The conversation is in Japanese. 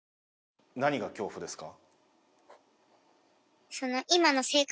何が恐怖ですか？